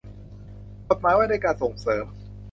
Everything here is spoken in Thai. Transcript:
กฎหมายว่าด้วยการส่งเสริม